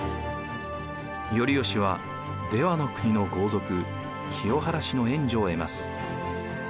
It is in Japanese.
頼義は出羽国の豪族清原氏の援助を得ます。